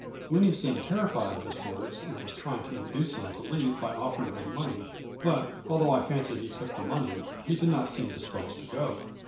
Winnie seemed terrified at his words and was trying to induce him to leave by offer ing him money, but, although I fancy he took the money, he did not seem disposed to go.